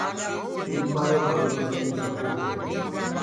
پيٚلپآيو گھرو ڪي ٻڏي سپوٽ هي۔